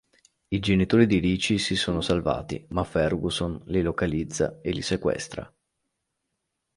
I genitori di Richie si sono salvati ma Ferguson li localizza e li sequestra.